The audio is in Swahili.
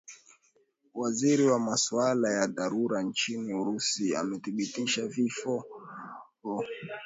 waziri wa masuala ya dharura nchini urusi amethibitisha vifo hivyo na kusema moto huo